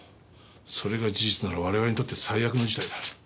それが事実なら我々にとって最悪の事態だ。